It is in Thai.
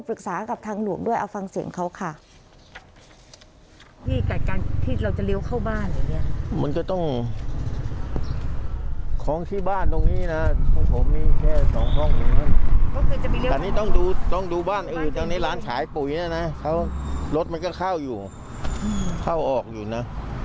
กับทางหลวงด้วยเอาฟังเสียงเขาค่ะ